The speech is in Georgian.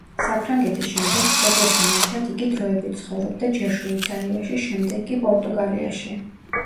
საფრანგეთის შემდეგ, მშობლებთან ერთად იგი დროებით ცხოვრობდა ჯერ შვეიცარიაში, შემდეგ კი პორტუგალიაში.